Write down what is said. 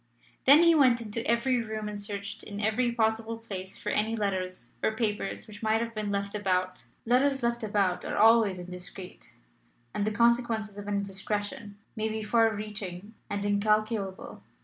Then he went into every room and searched in every possible place for any letters or papers which might have been left about. Letters left about are always indiscreet, and the consequences of an indiscretion may be far reaching and incalculable.